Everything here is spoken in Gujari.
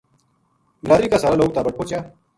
بلادری کا سارا لوک تابٹ پوہچیا۔